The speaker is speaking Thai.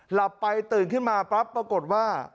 หลับไปตื่นขึ้นมาปั๊บปรากฏว่า